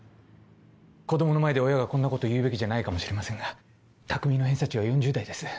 子供の前で親がこんなことを言うべきじゃないかもしれませんが匠の偏差値は４０台です。